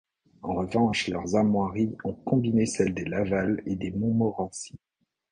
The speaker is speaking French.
En revanche, leurs armoiries ont combiné celles des Laval et des Montmorency.